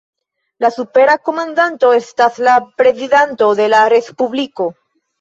La supera komandanto estas la prezidento de la Respubliko.